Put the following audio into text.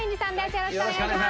よろしくお願いします。